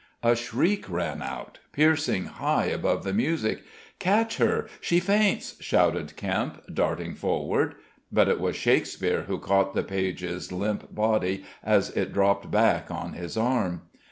A shriek rang out, piercing high above the music. "Catch her! She faints!" shouted Kempe, darting forward. But it was Shakespeare who caught the page's limp body as it dropped back on his arm.